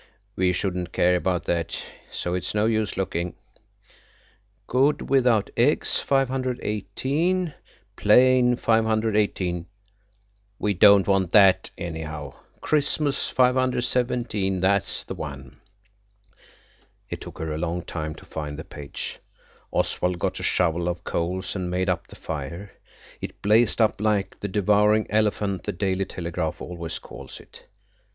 "We shouldn't care about that, so it's no use looking. "'Good without eggs, 518. "'Plain, 518.'" "We don't want that anyhow. 'Christmas, 517'–that's the one." It took her a long time to find the page. Oswald got a shovel of coals and made up the fire. It blazed up like the devouring elephant the Daily Telegraph always calls it.